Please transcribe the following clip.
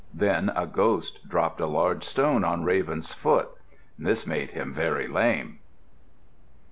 Then a ghost dropped a large stone on Raven's foot. This made him very lame.